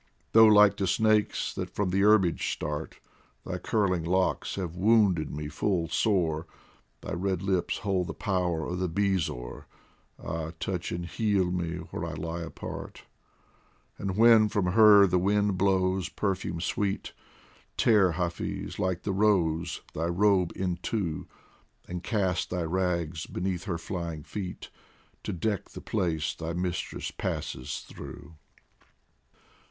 Though like to snakes that from the herbage start, Thy curling locks have wounded me full sore, Thy red lips hold the power of the bezoar Ah, touch and heal me where I lie apart ! And when from her the wind blows perfume sweet, Tear, Hafiz, like the rose, thy robe in two, And cast thy rags beneath her flying feet, To deck the place thy mistress passes through.